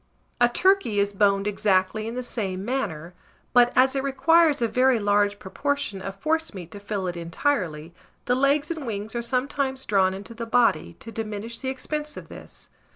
A turkey is boned exactly in the same manner; but as it requires a very large proportion of forcemeat to fill it entirely, the logs and wings are sometimes drawn into the body, to diminish the expense of this.